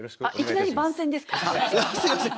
いきなり番宣ですか？